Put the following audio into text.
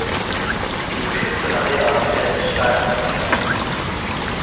Die Küste Madeiras fällt steil ins Meer ab.